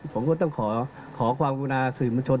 ผมก็ต้องขอความกุณาสื่อมวลชน